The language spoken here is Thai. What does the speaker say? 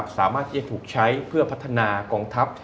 สามารถที่จะถูกใช้เพื่อพัฒนากองทัพ